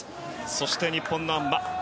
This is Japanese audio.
そして日本のあん馬。